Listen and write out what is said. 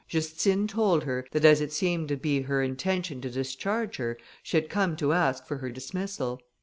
Justine told her, that as it seemed to be her intention to discharge her, she had come to ask for her dismissal.